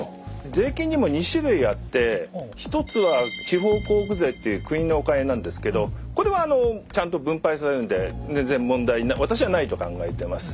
税金にも２種類あって１つは地方交付税っていう国のお金なんですけどこれはあのちゃんと分配されるんで全然問題私はないと考えてます。